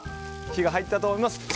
火が入ったと思います。